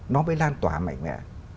nó mới lan tỏa mạnh mẽ